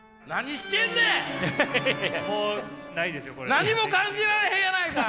何も感じられへんやないか！